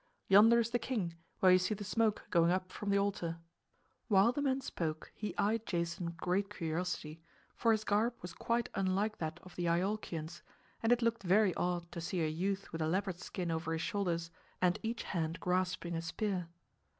Yonder is the king, where you see the smoke going up from the altar." While the man spoke he eyed Jason with great curiosity; for his garb was quite unlike that of the Iolchians, and it looked very odd to see a youth with a leopard's skin over his shoulders and each hand grasping a spear.